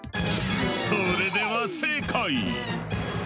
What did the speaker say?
それでは正解！